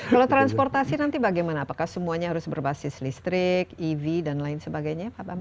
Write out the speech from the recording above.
kalau transportasi nanti bagaimana apakah semuanya harus berbasis listrik ev dan lain sebagainya pak bambang